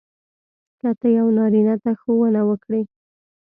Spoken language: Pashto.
که ته یو نارینه ته ښوونه وکړې.